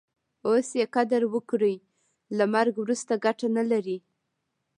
اوس ئې قدر وکړئ! له مرګ وروسته ګټه نه لري.